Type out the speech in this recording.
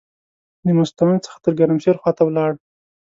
د مستونګ څخه د ګرمسیر خواته ولاړ.